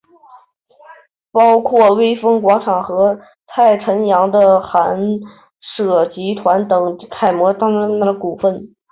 包括微风广场与蔡辰洋的寒舍集团等皆争取购买太平洋崇光百货的股份。